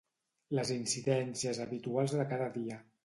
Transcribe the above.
Les incidències habituals de cada dia